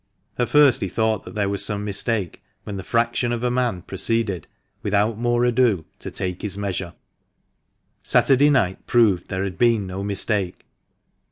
At first he thought there was some mistake when the fraction of a man proceeded without more ado to take his measure. Saturday night proved there had been no mistake.